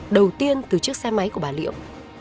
đầu tiên từ chiếc xe máy của bà liễu